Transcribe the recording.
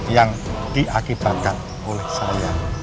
yang diakibatkan oleh saya